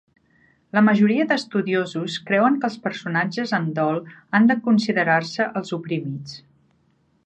La majoria d'estudiosos creuen que els personatges en dol han de considerar-se els oprimits.